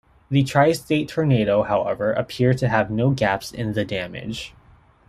The Tri-State Tornado, however, appeared to have no gaps in the damage.